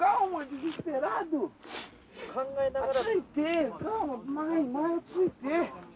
考えながら。